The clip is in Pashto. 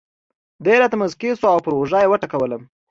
دی راته مسکی شو او پر اوږه یې وټکولم.